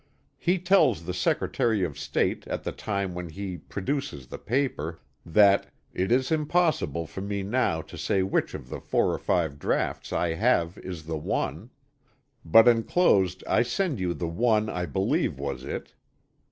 He tells the Secretary of State at the time when he produces the paper that "it is impossible for me now to say which of the 4 or 5 draughts I have is the one. But enclosed I send you the one I believe was it.